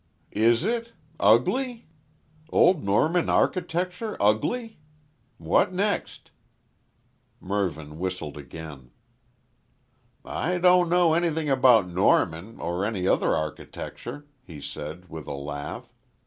"Is it? Ugly? Old Norman architecture ugly! What next?" Mervyn whistled again. "I don't know anything about Norman, or any other architecture," he said, with a laugh.